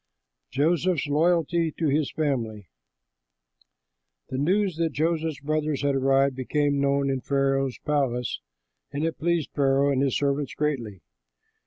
JOSEPH'S LOYALTY TO HIS FAMILY The news that Joseph's brothers had arrived became known in Pharaoh's palace; and it pleased Pharaoh and his servants greatly.